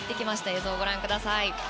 映像をご覧ください。